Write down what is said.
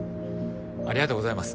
ありがとうございます。